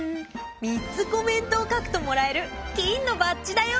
３つコメントを書くともらえる金のバッジだよ！